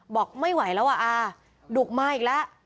บอกไม่ไหวแล้วอ่ะอาดุกมาอีกแล้ว